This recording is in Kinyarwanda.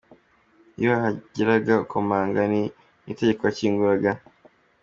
Iyo hagiraga ukomanga ni Niyitegeka wakinguraga.